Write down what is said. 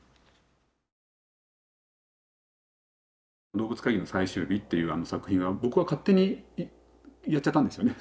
「動物会議の最終日」っていう作品は僕は勝手にやっちゃったんですよね。